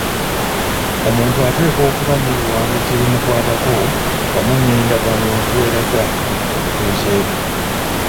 Omuntu ateekwa okuba n’ebiwandiiko ebimukwatako wamu n’endagamuntu eraga obutuuze bwe.